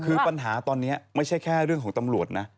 คือปัญหาตอนนี้ไม่ใช่แค่เรื่องของตำรวจนะ